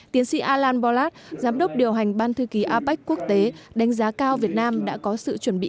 tiến sĩ alan bolat giám đốc điều hành ban thư ký apec quốc tế đánh giá cao việt nam đã có sự chuẩn bị